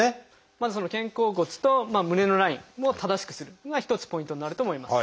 まずその肩甲骨と胸のラインを正しくするのが一つポイントになると思います。